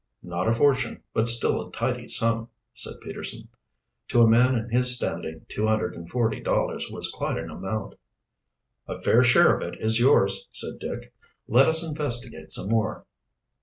"Not a fortune, but still a tidy sum," said Peterson. To a man in his standing two hundred and forty dollars was quite an amount. "A fair share of it is yours," said Dick. "Let us investigate some more."